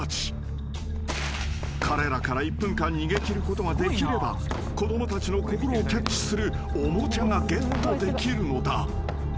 ［彼らから１分間逃げ切ることができれば子供たちの心をキャッチするおもちゃがゲットできるのだ］